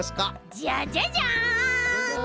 じゃじゃじゃん！